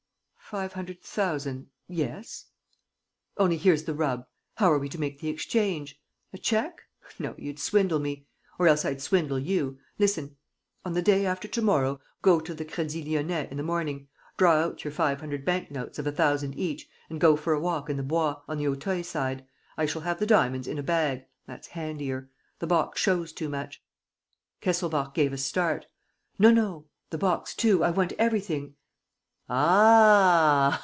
"Five hundred thousand ... yes." "Only, here's the rub: how are we to make the exchange? A cheque? No, you'd swindle me ... or else I'd swindle you. ... Listen. On the day after to morrow, go to the Crédit Lyonnais in the morning, draw out your five hundred bank notes of a thousand each and go for a walk in the Bois, on the Auteuil side. ... I shall have the diamonds in a bag: that's handier. ... The box shows too much. ..." Kesselbach gave a start: "No, no ... the box, too. ... I want everything. ..."